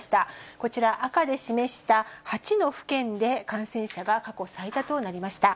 こちら、赤で示した８の府県で感染者が過去最多となりました。